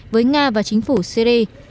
với nga và chính phủ syri